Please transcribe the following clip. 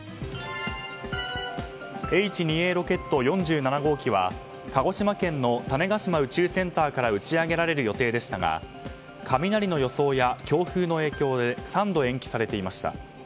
Ｈ２Ａロケット４７号機は鹿児島県の種子島宇宙センターから打ち上げられる予定でしたが雷の予想や強風の影響で３度延期されていました。